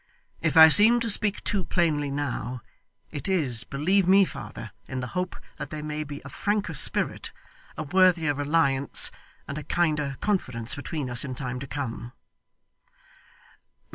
If I seem to speak too plainly now, it is, believe me father, in the hope that there may be a franker spirit, a worthier reliance, and a kinder confidence between us in time to come.